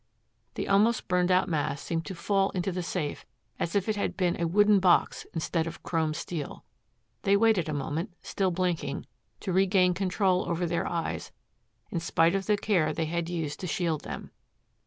The almost burned out mass seemed to fall into the safe as if it had been a wooden box instead of chrome steel. They waited a moment, still blinking, to regain control over their eyes in spite of the care they had used to shield them.